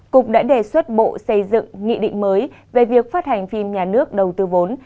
cục đã đề xuất bộ xây dựng nghị định mới về việc phát hành phim nhà nước đầu tư vốn